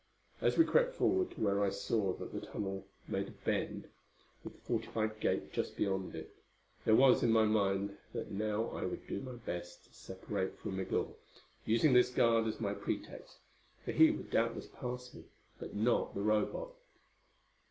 As we crept forward to where I saw that the tunnel made a bend, with the fortified gate just beyond it, there was in my mind that now I would do my best to separate from Migul, using this guard as my pretext, for he would doubtless pass me, but not the Robot.